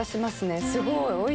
すごい！